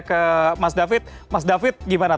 untungnya kita tidak terjadi tragedi apa apa ya